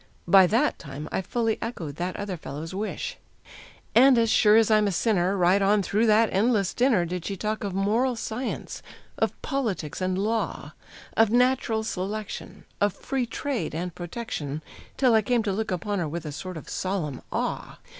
By that time I fully echoed that other fellow's wish. And, as sure as I'm a sinner, right on through that endless dinner Did she talk of moral science, of politics and law, Of natural selection, of Free Trade and Protection, Till I came to look upon her with a sort of solemn awe.